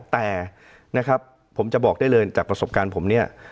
แต่นะครับผมจะบอกได้เลยจากประสบการณ์ผมเนี่ย